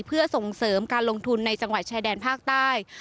เพื่อส่งเสริมการลงทุนในจังหวัดชายแดนภาคใต้